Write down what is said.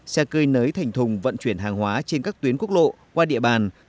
xe cơi nới thành thùng vận chuyển hàng hóa trên các tuyến quốc lộ qua địa bàn